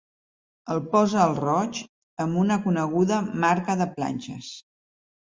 El posa al roig amb una coneguda marca de planxes.